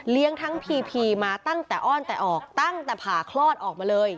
ทั้งพีพีมาตั้งแต่อ้อนแต่ออกตั้งแต่ผ่าคลอดออกมาเลย